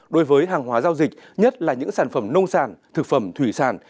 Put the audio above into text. đối với hàng hóa giao dịch nhất là những sản phẩm nông sản thực phẩm thủy sản